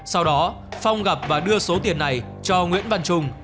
sau đó phong gặp và đưa số tiền này cho nguyễn văn trung